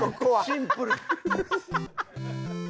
シンプル。